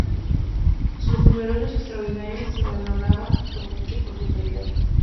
Sus números extraordinarios se valoraban mucho por su calidad.